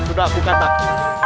sudah kita takut